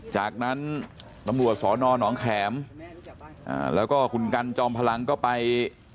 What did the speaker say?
จากนั้นตำรวจสอนอนองแข็มแล้วก็คุณกันจอมพลังก็ไป